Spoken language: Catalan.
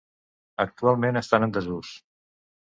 Actualment estan en desús.